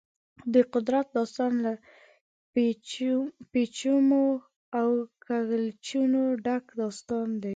د قدرت داستان له پېچومو او کږلېچونو ډک داستان دی.